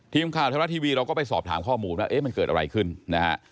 ทีมข่าวไทยรัฐทีวีเราก็ไปสอบถามข้อมูลว่าเอ๊ะมันเกิดอะไรขึ้นนะฮะ